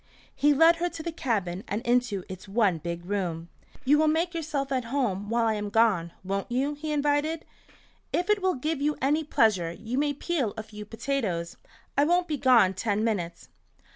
He led her to the cabin and into its one big room. "You will make yourself at home while I am gone, won't you?" he invited. "If it will give you any pleasure you may peel a few potatoes. I won't be gone ten minutes."